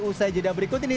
usai jeda berikut ini